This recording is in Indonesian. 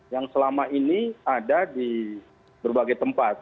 yang selama ini ada di berbagai tempat